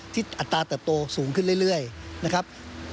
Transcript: อัตราเติบโตสูงขึ้นเรื่อยนะครับ